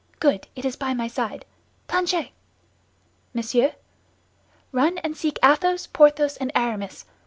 Good, it is by my side! Planchet!" "Monsieur." "Run and seek Athos, Porthos and Aramis.